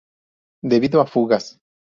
Debido a fugas"".